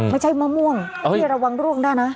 ไม่ใช่มะม่วงพี่ระวังร่วงได้นะ